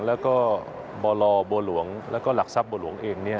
แล้วก็บรบัวหลวงแล้วก็หลักทรัพย์บัวหลวงเอง